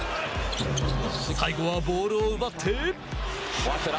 最後はボールを奪って。